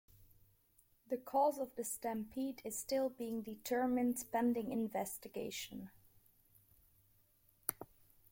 The cause of the stampede is still being determined pending investigation.